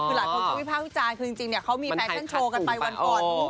คือหลักของพิพาทพุทธจานคือจริงเขามีแฟนชั่นโชว์กันไปวันก่อน